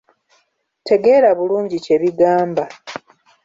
Tegeera bulungi kye bigamba.